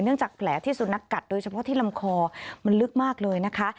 จากแผลที่สุนัขกัดโดยเฉพาะที่ลำคอมันลึกมากเลยนะคะ